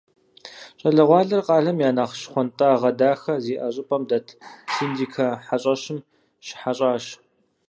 Щӏалэгъуалэр къалэм я нэхъ щхъуантӏагъэ дахэ зиӏэ щӏыпӏэм дэт «Синдикэ» хьэщӏэщым щыхьэщӏащ.